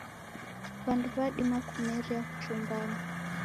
Wandu wadima kumeria kuchumbana.